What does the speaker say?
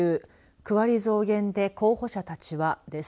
区割り増減で候補者たちはです。